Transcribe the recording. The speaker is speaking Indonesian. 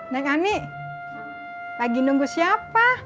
nek ami lagi nunggu siapa